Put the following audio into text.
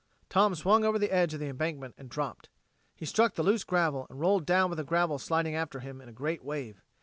Tom swung over the edge of the embankment and dropped. He struck the loose gravel and rolled down with the gravel sliding after him in a great wave.